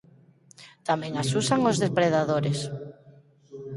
Tamén as usan os depredadores.